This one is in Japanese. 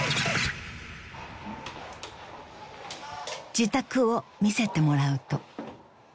［自宅を見せてもらうと］